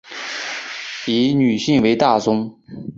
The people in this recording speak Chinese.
以女性为大宗